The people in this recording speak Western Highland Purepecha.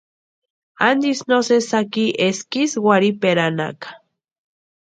¿Antisï no sesí jaki eska ísï warhiperanhaaka?